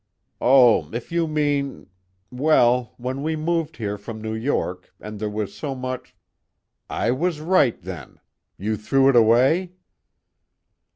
"Oh, if you mean well, when we moved here from New York, and there was so much " "I was right then. You threw it away?"